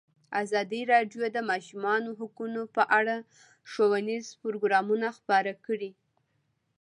ازادي راډیو د د ماشومانو حقونه په اړه ښوونیز پروګرامونه خپاره کړي.